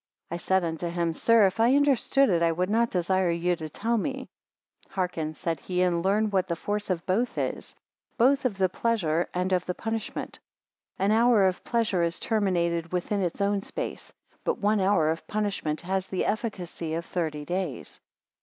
I said unto him; Sir, if I understood it, I would not desire you to tell me. 31 Hearken, said he, and learn what the force of both is, both of the pleasure and of the punishment. An hour of pleasure is terminated within its own space: but one hour of punishment has the efficacy of thirty days.